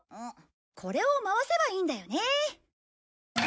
これを回せばいいんだよね。